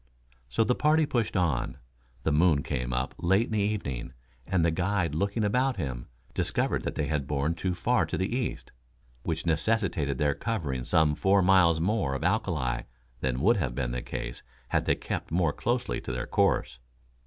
So the party pushed on. The moon came up late in the evening, and the guide looking about him, discovered that they had borne too far to the east, which necessitated their covering some four miles more of alkali than would have been the case had they kept more closely to their course.